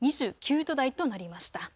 ２９度台となりました。